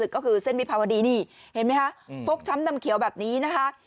ก็คือเส้นบิพัดีนี่เห็นมั้ยคะฟกชั้มนำเขียวแบบนี้นะคะ